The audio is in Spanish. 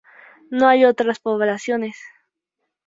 No hay otras poblaciones.